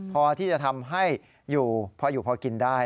พอที่จะทำให้พออยู่พอกินได้